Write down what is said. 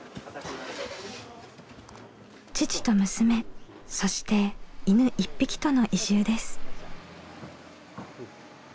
父と娘そして犬１匹との移住です。